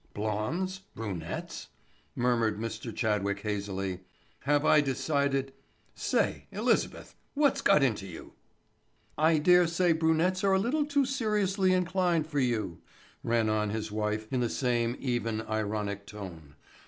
"Blondes—brunettes?" murmured Mr. Chadwick hazily. "Have I decided—say, Elizabeth, what's got into you?" "I dare say brunettes are a little too seriously inclined for you," ran on his wife in the same even, ironic tone.